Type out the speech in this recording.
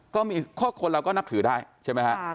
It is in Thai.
ก็มีข้อคนเราก็นับถือได้ใช่ไหมครับ